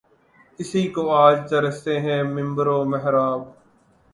اسی کو آج ترستے ہیں منبر و محراب